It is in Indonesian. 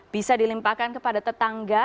bisa dilimpahkan kepada tetangga